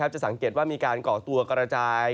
จะสังเกตว่ามีการก่อตัวกระจาย